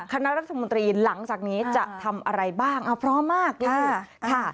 คณะรัฐมนตรีหลังจากนี้จะทำอะไรบ้างพร้อมมากเลยค่ะ